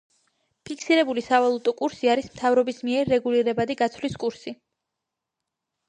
ფიქსირებული სავალუტო კურსი არის მთავრობის მიერ რეგულირებადი გაცვლის კურსი.